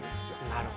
なるほど。